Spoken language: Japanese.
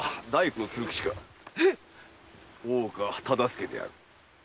大岡忠相である。